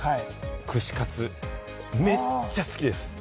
串カツ、めっちゃ好きです。